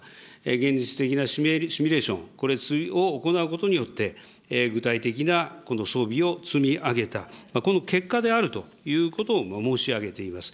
現実的なシミュレーション、これを行うことによって、具体的な装備を積み上げた、この結果であるということを申し上げています。